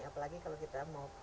apalagi kalau kita mau